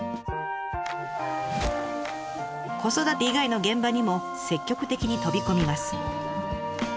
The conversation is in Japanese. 子育て以外の現場にも積極的に飛び込みます。